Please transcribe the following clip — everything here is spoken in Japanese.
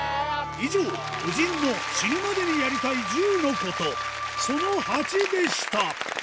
以上、夫人の死ぬまでにやりたい１０のコト、その８でした。